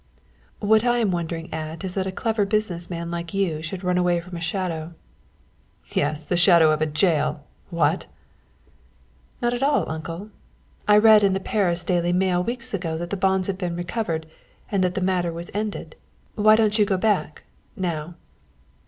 "What I'm wondering at is that a clever business man like you should run away from a shadow." "Yes, the shadow of a jail what." "Not at all, uncle. I read in the Paris Daily Mail weeks ago that the bonds had been recovered and that the matter was ended. Why don't you go back, now?"